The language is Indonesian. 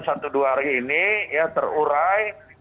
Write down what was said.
satu dua hari ini ya terurai